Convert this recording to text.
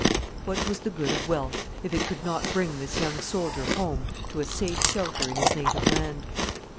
What was the good of wealth, if it could not bring this young soldier home to a safe shelter in his native land?